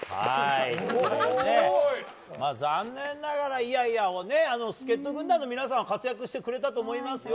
残念ながら助っ人軍団の皆さんは活躍してくれたと思いますよ